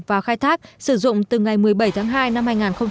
vào khai thác sử dụng từ ngày một mươi bảy tháng hai năm hai nghìn một mươi bảy